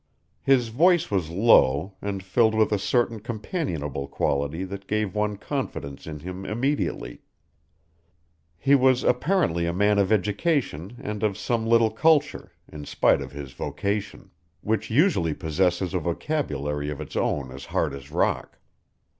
His voice was low, and filled with a certain companionable quality that gave one confidence in him immediately. He was apparently a man of education and of some little culture, in spite of his vocation, which usually possesses a vocabulary of its own as hard as rock.